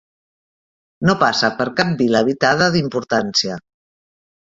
No passa per cap vila habitada d'importància.